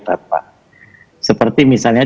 berapa seperti misalnya